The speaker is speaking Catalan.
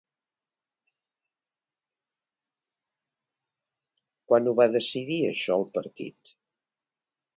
Quan ho va decidir això el partit?